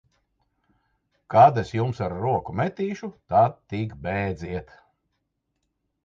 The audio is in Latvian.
Kad es jums ar roku metīšu, tad tik bēdziet!